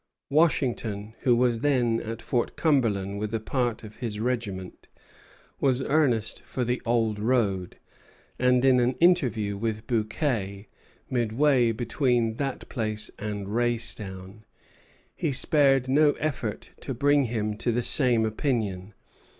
Washington, who was then at Fort Cumberland with a part of his regiment, was earnest for the old road; and in an interview with Bouquet midway between that place and Raystown, he spared no effort to bring him to the same opinion.